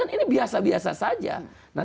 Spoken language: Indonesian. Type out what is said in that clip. ini biasa biasa saja